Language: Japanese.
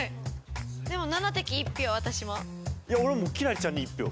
でも７滴１票私も。